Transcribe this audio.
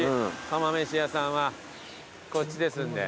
釜めし屋さんはこっちですんで。